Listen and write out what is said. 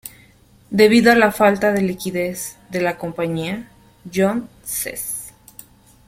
Debido a la falta de liquidez de la compañía, John Ces.